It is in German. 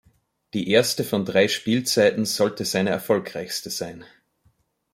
Die erste von drei Spielzeiten sollte seine erfolgreichste sein.